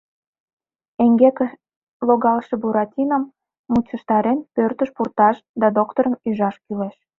— Эҥгекыш логалше Буратином мучыштарен, пӧртыш пурташ да докторым ӱжаш кӱлеш...